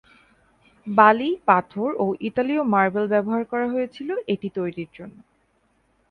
বালি পাথর ও ইতালীয় মার্বেল ব্যবহার করা হয়েছিল এটি তৈরির জন্য।